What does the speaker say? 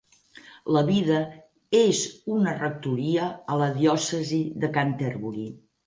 La vida és una rectoria a la diòcesi de Canterbury.